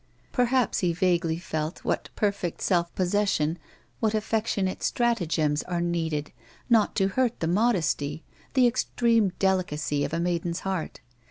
Perhaps he vaguely felt what perfect self possession, what affectionate stratagems are needed not to hurt the modesty, the extreme delicacy of a maiden's heart.